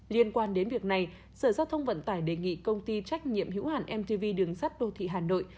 liên quan đến việc này sở giao thông vận tải đề nghị công ty trách nhiệm hữu hạn mtv đường sắt đô thị hà nội